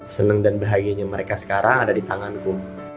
senang dan bahagianya mereka sekarang ada di tanganku